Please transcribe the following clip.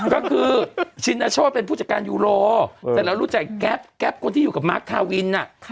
ก็คือชินโชธเป็นผู้จัดการยูโรแต่เรารู้จักแก๊ปแก๊ปคนที่อยู่กับมาร์คทาวิน